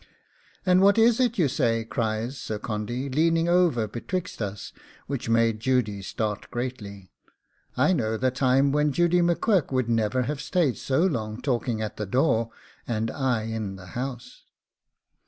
'And what is it you say?' cries Sir Condy, leaning over betwixt us, which made Judy start greatly. 'I know the time when Judy M'Quirk would never have stayed so long talking at the door and I in the house.